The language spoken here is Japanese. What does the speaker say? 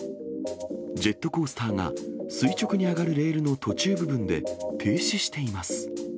ジェットコースターが、垂直に上がるレールの途中部分で停止しています。